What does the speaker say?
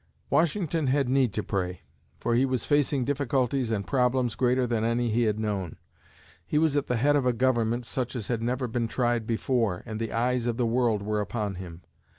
Washington had need to pray, for he was facing difficulties and problems greater than any he had known. He was at the head of a government, such as had never been tried before, and the eyes of the world were upon him.